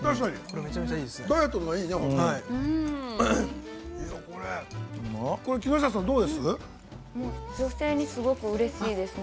◆めちゃめちゃいいですね。